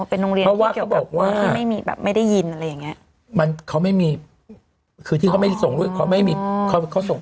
เพราะว่าเขาบอกว่าเป็นโรงเรียนเกี่ยวกับคนที่ไม่ได้ยินอะไรอย่างนี้